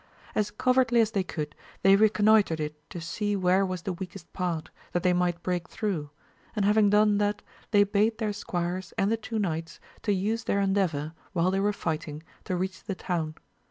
As covertly as they could, they reconnoitred it to see where was the weakest part, that they might break through; and having done that, they bade their squires, and the two knights, to use their endeavour, while they were fighting, to reach the town.